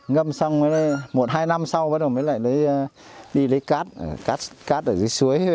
ngâm xong một hai năm sau mới lại đi lấy cát cát ở dưới suối